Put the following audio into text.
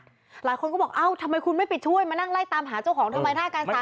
หลายคนก็บอกเอ้าทำไมคุณไม่ไปช่วยมานั่งไล่ตามหาเจ้าของทำไมท่าการสา